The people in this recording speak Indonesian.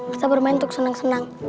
bisa bermain untuk senang senang